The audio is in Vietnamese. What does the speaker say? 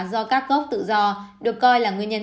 do các gốc tự do được coi là nguyên nhân